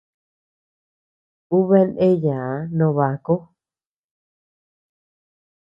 Ú bea ndeyaa no baku.